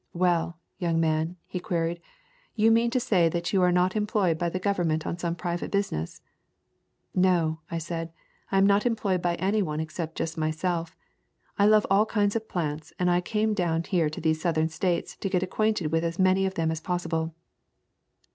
"Well, young man," he queried, "you mean to say that you are not employed by the Gov ernment on some private business?" "No," I said, "I am not employed by any one except just myself. I love all kinds of plants, and I came down here to these Southern States to get acquainted with as many of them as possible."